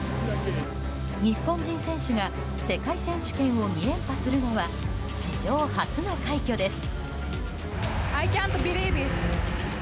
日本人選手が世界選手権を２連覇するのは史上初の快挙です。